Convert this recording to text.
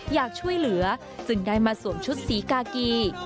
อยากช่วยเหลือจึงได้มาสวมชุดสีกากี